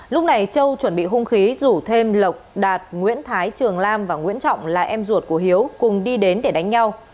lúc này châu chuẩn bị hung khí rủ thêm lộc đạt nguyễn thái trường lam và nguyễn trọng là em ruột của hiếu cùng đi đến để đánh nhau